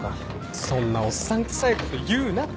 そんなおっさんくさいこと言うなって！